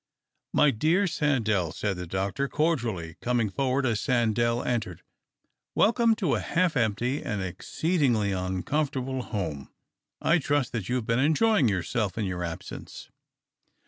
" My dear Sandell,"said the doctor, cordially, coming forward as Sandell entered, "welcome to a half empty and exceedingly uncomfortable home. I trust that you have been enjoying yourself in your absence."